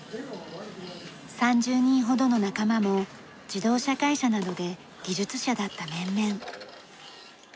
３０人ほどの仲間も自動車会社などで技術者だった面々。